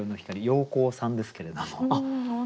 陽光さんですけれども。